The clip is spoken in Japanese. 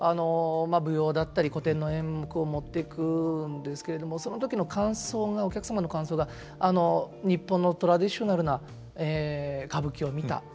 舞踊だったり古典の演目を持っていくんですけれどもその時の感想がお客様の感想が「日本のトラディショナルな歌舞伎を見た」